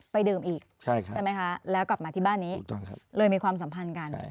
ไปดื่มอีกใช่ไหมคะแล้วกลับมาที่บ้านนี้เลยมีความสัมพันธ์กัน